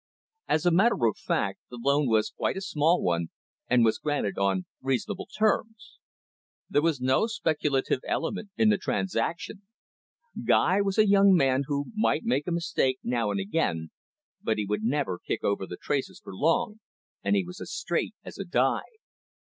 As a matter of fact, the loan was quite a small one, and was granted on reasonable terms. There was no speculative element in the transaction. Guy was a young man who might make a mistake now and again, but he would never kick over the traces for long, and he was as straight as a die.